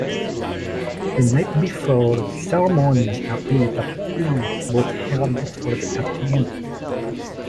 The night before the ceremony, a "pwe" was held for the attendees.